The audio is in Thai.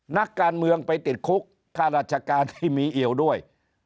นักการเมืองไปติดคุกค่าราชการที่มีเอี่ยวด้วย